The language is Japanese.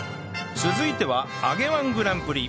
続いては揚げ −１ グランプリ